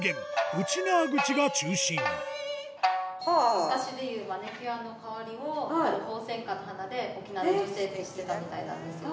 ウチナーグチが中心昔でいうマニキュアの代わりをホウセンカの花で沖縄の女性ってしてたみたいなんですよね。